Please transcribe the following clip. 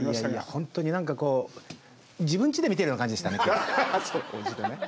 ホントに何かこう自分ちで見てるような感じでしたね。